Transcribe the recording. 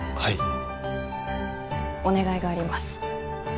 はいお願いがあります